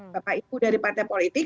bapak ibu dari partai politik